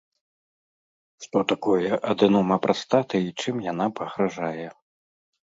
Што такое адэнома прастаты і чым яна пагражае?